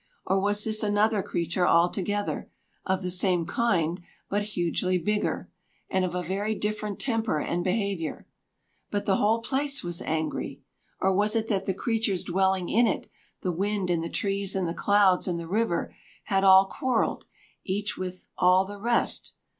Or was this another creature altogether of the same kind, but hugely bigger, and of a very different temper and behavior? But the whole place was angry! Or was it that the creatures dwelling in it, the wind, and the trees, and the clouds, and the river, had all quarrelled, each with all the rest?